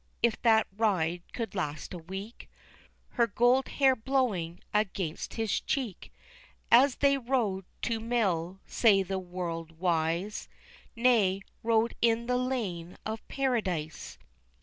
if that ride could last a week, Her gold hair blowing against his cheek, As they rode to mill, say the world wise, Nay, rode in the lane of paradise.